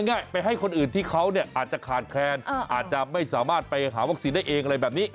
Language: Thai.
ง่ายไปให้คนอื่นที่เขาเนี่ยอาจจะขาดแคลนอาจจะไม่สามารถไปหาวัคซีนได้เองอะไรแบบนี้